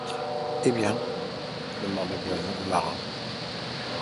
Eh bien ? demanda le marin.